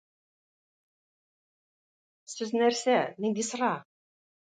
Сез нәрсә, нинди сыра?!